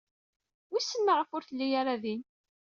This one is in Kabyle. Wissen maɣef ur telli ara din.